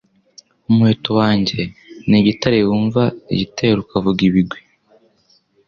Umuheto wanjye ni igitareWumva igitero ukavuga ibigwi